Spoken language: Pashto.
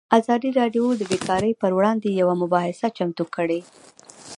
ازادي راډیو د بیکاري پر وړاندې یوه مباحثه چمتو کړې.